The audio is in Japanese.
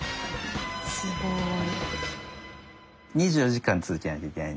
すごい。